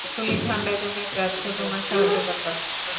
তুমি ঠান্ডায় জমে যাচ্ছ, তোমার সাহায্য দরকার।